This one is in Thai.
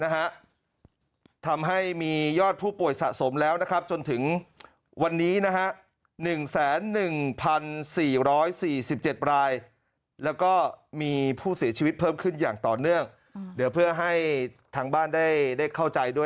ก็ตอนนี้สถานการณ์น่าเป็นห่วงต้องที่ว้าด